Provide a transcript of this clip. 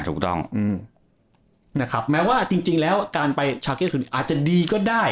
ถูกต้องอืมนะครับแม้ว่าจริงจริงแล้วการไปเช้าเกียร์ศูนย์อาจจะดีก็ได้